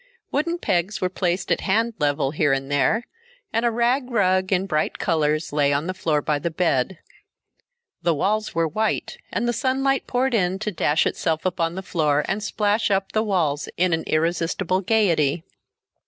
Wooden pegs were placed at hand level here and there, and a rag rug in bright colors lay on the floor by the bed. The walls were white and the sunlight poured in to dash itself upon the floor and splash up the walls in irresistible gaiety.